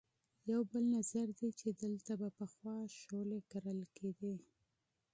یو بل نظر دی چې دلته به پخوا شولې کرلې کېدې.